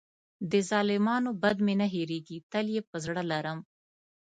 د ظالمانو بد مې نه هېرېږي، تل یې په زړه لرم.